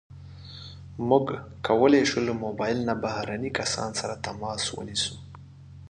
موږ کولی شو له موبایل نه بهرني کسان سره تماس ونیسو.